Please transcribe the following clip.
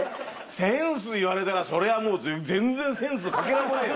センス言われたらそれはもう全然センスのかけらもねえよ